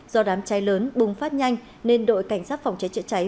do đám cháy lớn bùng phát nhanh nên đội cảnh sát phòng cháy chữa cháy